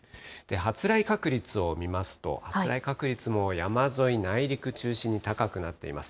発雷確率を見ますと、発雷確率も山沿い内陸中心に高くなっています。